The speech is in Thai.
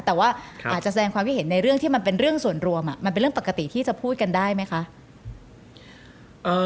แต่ว่าอาจจะแสดงความคิดเห็นในเรื่องที่มันเป็นเรื่องส่วนรวมมันเป็นเรื่องปกติที่จะพูดกันได้ไหมคะ